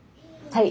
はい。